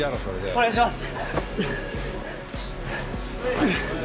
お願いします！